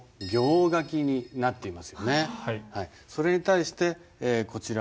それに対してこちら。